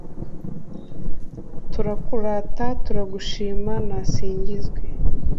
turakurata, turagushima, nasingizwe